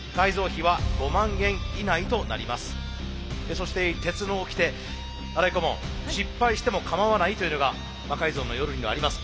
そして鉄のおきて新井顧問「失敗してもかまわない」というのが「魔改造の夜」にはあります。